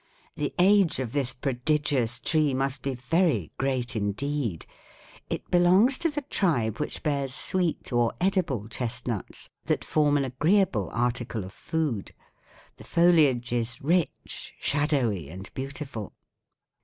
The age of this prodigious tree must be very great indeed. It belongs to the tribe which bears sweet, or edible, chestnuts, that form an agreeable article of food. The foliage is rich, shadowy and beautiful.